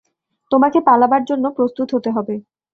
তোমাকে পালাবার জন্য প্রস্তুত হতে হবে!